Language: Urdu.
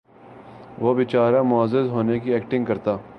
وہ بیچارہ معزز ہونے کی ایکٹنگ کرتا